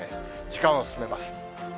時間を進めます。